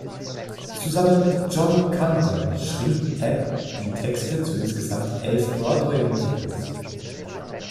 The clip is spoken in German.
Zusammen mit John Kander schrieb Ebb die Texte zu insgesamt elf Broadway-Musicals.